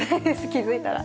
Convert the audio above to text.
気づいたら。